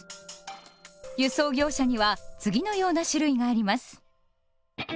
輸送業者には次のような種類があります。